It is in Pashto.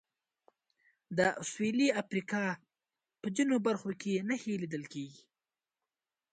د سوېلي افریقا په ځینو برخو کې نښې لیدل کېږي.